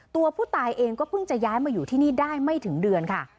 ตัวผู้ตายเองก็เพิ่งจะย้ายมาอยู่ที่นี่ได้ไม่ถึงเดือนค่ะ